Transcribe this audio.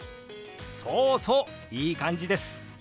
そうそういい感じです！